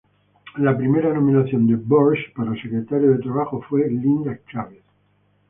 La primera nominación de Bush para Secretario de Trabajo fue Linda Chávez.